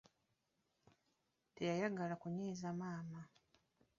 Teyayagala kunnyiza maama.